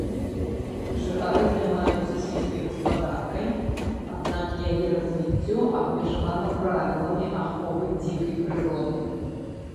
Жыхары займаюцца сельскай гаспадаркай, аднак яе развіццё абмежавана правіламі аховы дзікай прыроды.